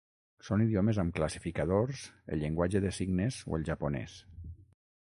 Són idiomes amb classificadors el llenguatge de signes o el japonès.